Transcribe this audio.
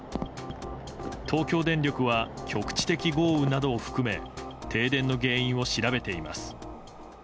東京電力は局地的豪雨などを含め停電の原因を調べています。